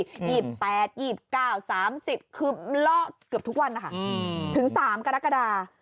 หยิบ๘หยิบ๙๓๐คือล่อเกือบทุกวันค่ะถึง๓กรกฎา